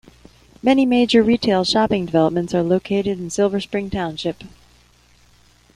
Many major retail shopping developments are located in Silver Spring township.